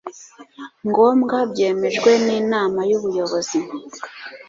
ngombwa byemejwe n inama y ubuyobozi